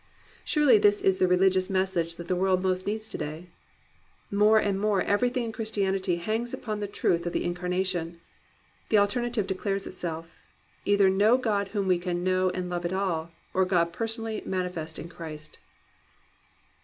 Surely this is the religious message that the world most needs to day. More and more everything in Christianity hangs upon the truth of the Incarna tion. The alternative declares itself. Either no God whom we can know and love at all, or God personally manifest in Christ